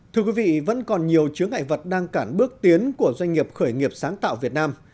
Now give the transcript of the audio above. thưa quý vị vẫn còn nhiều chứa ngại vật đang cản bước tiến của doanh nghiệp khởi nghiệp sáng tạo việt nam